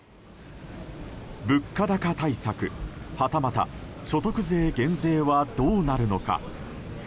物価高対策、はたまた所得税減税はどうなるのか。